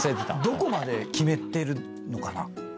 どこまで決めてるのかな？